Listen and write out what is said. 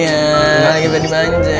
lagi pengen dimanja